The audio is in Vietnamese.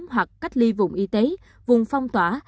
hoặc cách ly vùng y tế vùng phong tỏa